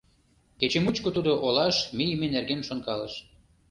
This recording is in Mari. Кече мучко тудо олаш мийыме нерген шонкалыш.